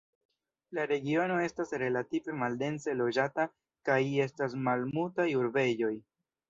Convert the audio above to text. La regiono estas relative maldense loĝata, kaj estas malmultaj urbegoj.